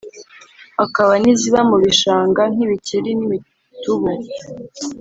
hakaba n’iziba mu bishanga nkibikeri nimitubu